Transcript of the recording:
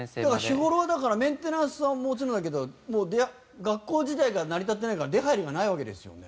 日頃はだからメンテナンスはもちろんだけど学校自体が成り立ってないから出入りがないわけですよね？